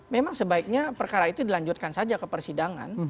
memang sebaiknya perkara itu dilanjutkan saja ke persidangan